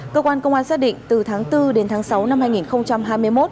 cơ quan công an xác định từ tháng bốn đến tháng sáu năm hai nghìn hai mươi một